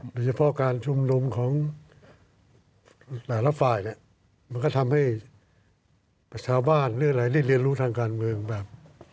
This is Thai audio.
โดยเฉพาะการชุมนุมของแต่ละฝ่ายเนี่ยมันก็ทำให้ประชาชนหรืออะไรได้เรียนรู้ทางการเมืองแบบ